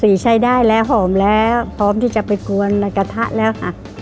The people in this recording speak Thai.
ใช้ได้แล้วหอมแล้วพร้อมที่จะไปกวนในกระทะแล้วค่ะ